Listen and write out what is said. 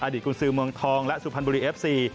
อดีตกุญศือมวงทองและสุพันบุรีเอฟซี